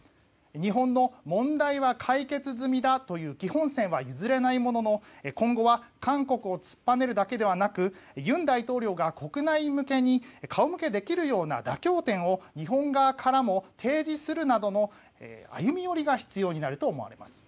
日本の問題は解決済みだという基本線は譲れないものの、今後は韓国を突っぱねるだけではなく尹大統領が国内向けに顔向けできるような妥協点を日本側からも提示するなどの歩み寄りが必要になると思われます。